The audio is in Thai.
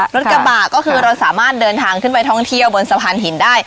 รถกระบะก็คือเราสามารถเดินทางขึ้นไปท่องเที่ยวบนสะพานหินได้